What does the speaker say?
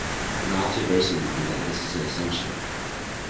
My observation would be that this is an assumption.